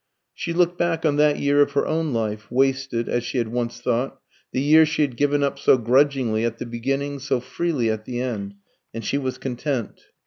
She looked back on that year of her own life, "wasted," as she had once thought the year she had given up so grudgingly at the beginning, so freely at the end and she was content.